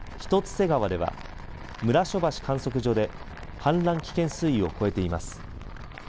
瀬川では村所橋観測所で氾濫危険水位を超えています。